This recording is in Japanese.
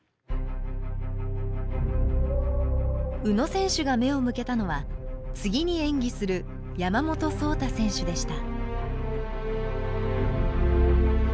宇野選手が目を向けたのは次に演技する山本草太選手でした。